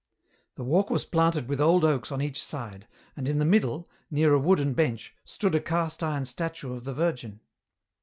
The walk was planted with old oaks on each side, and in the middle, near a wooden bench, stood a cast iron statue of the Virgin.